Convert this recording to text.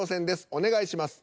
お願いします。